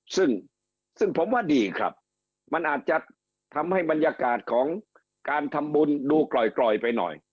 ซึ่งซึ่งผมว่าดีครับมันอาจจะทำให้บรรยากาศของการทำบุญดูกล่อยไปหน่อย